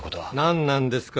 何なんですか？